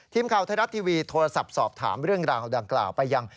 ทีมข่าวไทยรัฐทีวีโทรศัพท์สอบถามเรื่องราวดังกล่าวไปยัง